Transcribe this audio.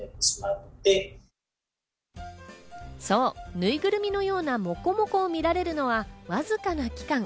ぬいぐるみのようなモコモコを見られるのはわずかな期間。